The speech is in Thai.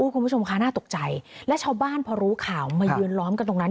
คุณผู้ชมคะน่าตกใจและชาวบ้านพอรู้ข่าวมาเยือนล้อมกันตรงนั้น